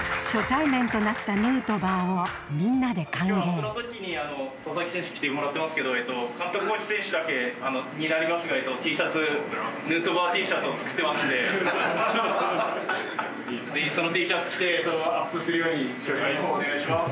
今日アップの時に佐々木選手着てもらってますけど監督コーチ選手だけになりますがＴシャツヌートバーＴシャツを作ってますんでぜひそのＴシャツ着てアップするように紹介の方お願いします。